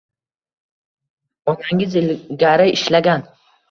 Onangiz ilgari ishlagan.